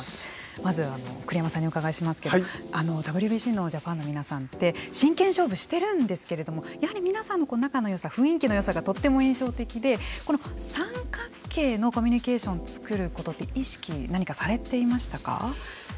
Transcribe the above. まず栗山さんにお伺いしますけれどもＷＢＣのジャパンの皆さんって真剣勝負をしているんですけれどもやはり皆さんの仲のよさ雰囲気のよさがとても印象的で三角形のコミュニケーションを作ることって意識、何かされていましたか。